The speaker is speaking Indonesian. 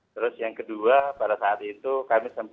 terus yang kedua pada saat itu kami sempat